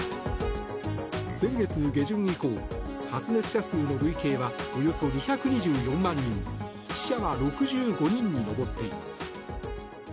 先月下旬以降、発熱者数の累計はおよそ２２４万人死者は６５人に上っています。